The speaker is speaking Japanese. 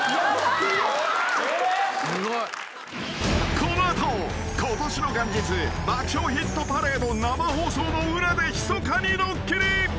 ［この後ことしの元日『爆笑ヒットパレード』生放送の裏でひそかにドッキリ］